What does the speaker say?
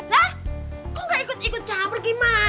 kok gak ikut ikut campur gimana sih kan